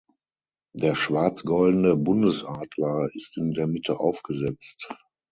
Der schwarz-goldene Bundesadler ist in der Mitte aufgesetzt.